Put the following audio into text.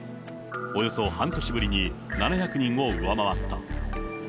およそ半年ぶりに７００人を上回った。